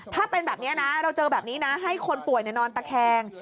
ถ้าเป็นแบบนี้นะเราเจอแบบนี้นะให้คนป่วยนอนตะแคง